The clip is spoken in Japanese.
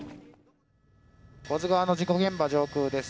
保津川の事故現場上空です。